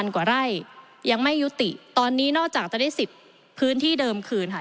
กว่าไร่ยังไม่ยุติตอนนี้นอกจากจะได้๑๐พื้นที่เดิมคืนค่ะ